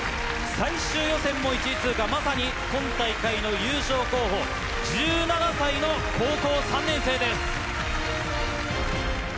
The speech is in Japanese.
最終予選も１位通過まさに今大会の優勝候補１７歳の高校３年生です。